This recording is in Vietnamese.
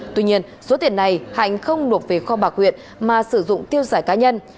tuy nhiên số tiền này hạnh không nộp về kho bạc huyện mà sử dụng tiêu xài cá nhân